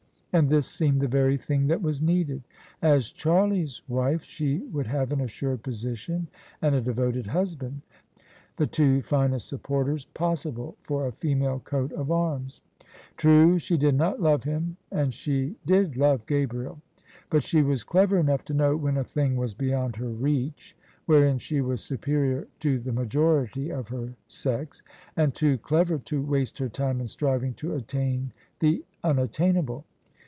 And this seemed the very thing that was needed. As Charlie's wife she would have an assured position and a devoted husband — the two finest supporters possible for a female coat of C131] THE SUBJECTION arms. True, she did not love him, and she did love Gabriel : but she was clever enough to know when a thing was beyond her reach (wherein she was superior to the majority of her sex) : and too clever to waste her time in striving to attain the imattainable.